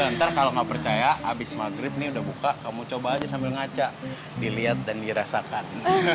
ntar kalau gak percaya abis maghrib nih udah buka kamu coba aja sambil ngaca dilihat dan dirasakan